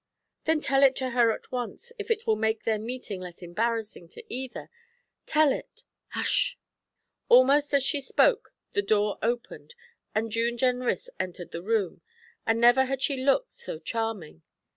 'Then tell it to her at once, if it will make their meeting less embarrassing to either; tell it hush!' Almost as she spoke the door opened and June Jenrys entered the room, and never had she looked so charming.